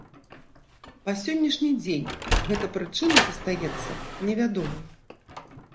Па сённяшні дзень гэта прычына застаецца невядомай.